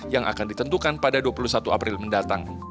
yang akan ditentukan pada dua puluh satu april mendatang